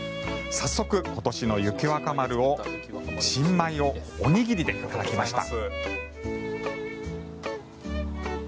早速、今年の雪若丸の新米をおにぎりでいただきました。